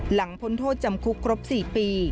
พ้นโทษจำคุกครบ๔ปี